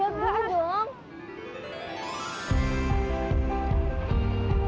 ya ampun gila ganteng banget